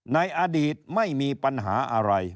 ในอดีตไม่มีปัญหาอะไร